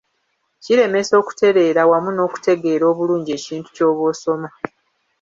Kiremesa okutereera wamu n'okutegeera obulungi ekintu ky'oba osoma.